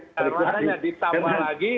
karena ditambah lagi